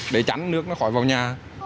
để tránh nước nó khỏi vào nhà